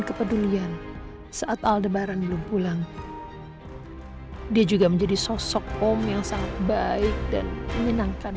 kepedulian saat aldebaran belum pulang dia juga menjadi sosok om yang sangat baik dan menyenangkan